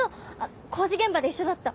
工事現場で一緒だった。